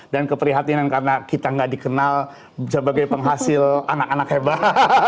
dan keprihatinan karena kita nggak dikenal sebagai penghasil anak anak hebat